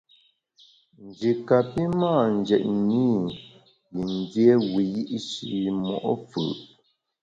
Nji kapi mâ njetne i yin dié wiyi’shi mo’ fù’.